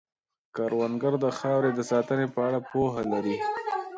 کروندګر د خاورې د ساتنې په اړه پوهه لري